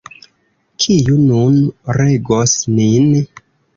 Kiu nun regos nin?